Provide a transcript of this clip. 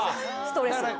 ストレス。